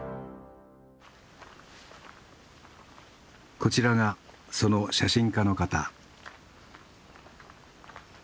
こちらがその写真家の方。